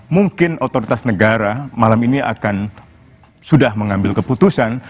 mungkin otoritas negara malam ini akan sudah mengambil keputusan